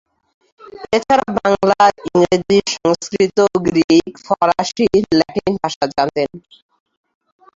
এছাড়া বাংলা, ইংরেজি, সংস্কৃত, গ্রীক, ফরাসি, ল্যাটিন ভাষা জানতেন।